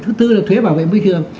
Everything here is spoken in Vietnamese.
thứ tư là thuế bảo vệ môi trường